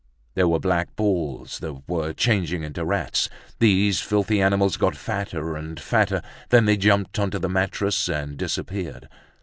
There were black balls that were changing into rats. These filthy animals got fatter and fatter, then they jumped onto the mattress and disappeared.